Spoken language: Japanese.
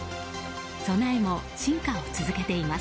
備えも進化を続けています。